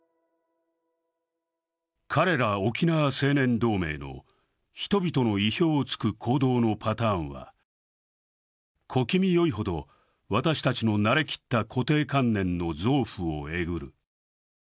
彼ら沖縄青年同盟の人々の意表をつく行動のパターンは小気味よいほど私たちの慣れきった固定観念の臓腑をえぐる。